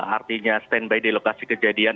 artinya standby di lokasi kejadian